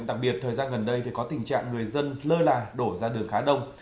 đặc biệt thời gian gần đây thì có tình trạng người dân lơ là đổ ra đường khá đông